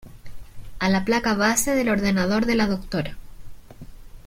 a la placa base del ordenador de la doctora.